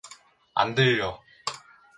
안 들려.